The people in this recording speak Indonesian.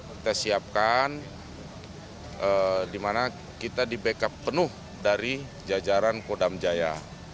kita siapkan di mana kita di backup penuh dari jajaran kodam jaya